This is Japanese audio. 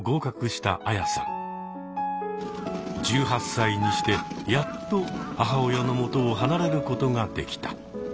１８歳にしてやっと母親のもとを離れることができた。